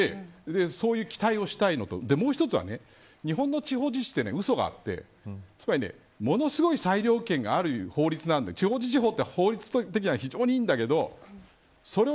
そういった期待をしたいのともう一つは、日本の地方自治はうそがあってものすごい裁量権がある法律で地方自治権は法律的にはいいんですけど、それを